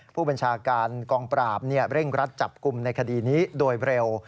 ผู้บัญชาการกองปราบเร่งรัดจับกลุ่มในคดีนี้โดยเร็ว